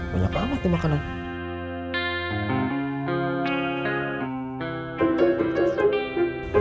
banyak banget nih makanan